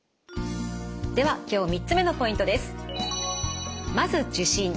では今日３つ目のポイントです。